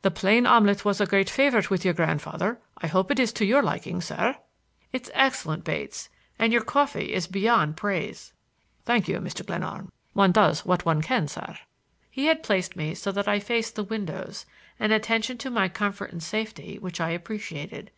The plain omelette was a great favorite with your grandfather. I hope it is to your liking, sir." "It's excellent, Bates. And your coffee is beyond praise." "Thank you, Mr. Glenarm. One does what one can, sir." He had placed me so that I faced the windows, an attention to my comfort and safety which I appreciated.